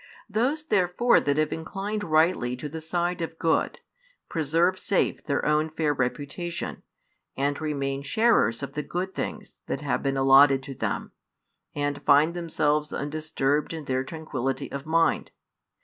Those therefore that have inclined rightly to the side of good, preserve safe their own fair reputation, and remain sharers of the good things that have been allotted to them, and find themselves undisturbed in their tranquillity of mind.